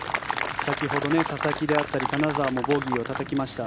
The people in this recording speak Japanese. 先ほど、ささきであったり金澤もボギーをたたきました。